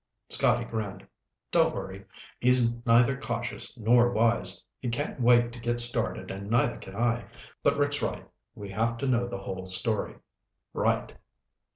Scotty grinned. "Don't worry. He's neither cautious nor wise. He can't wait to get started and neither can I. But Rick's right. We have to know the whole story." "Right.